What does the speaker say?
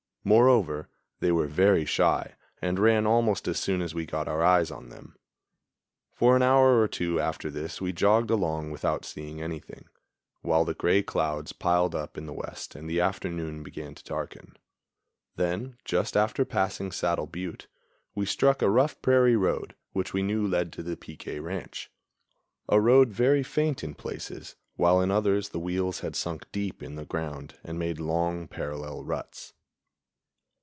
Moreover, they were very shy and ran almost as soon as we got our eyes on them. For an hour or two after this we jogged along without seeing anything, while the gray clouds piled up in the west and the afternoon began to darken; then, just after passing Saddle Butte, we struck a rough prairie road, which we knew led to the P. K. ranch a road very faint in places, while in others the wheels had sunk deep in the ground and made long, parallel ruts.